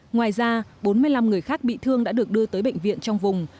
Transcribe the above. ngoài ra bốn mươi năm người khác bị thương đã được đưa tới bệnh viện trong vùng